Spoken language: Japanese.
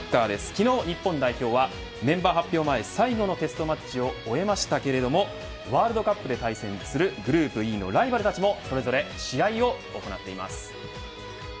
昨日、日本代表はメンバー発表前最後のテストマッチを終えましたけれどもワールドカップで対戦するグループＥのライバルたちもそれぞれ試合を行っています。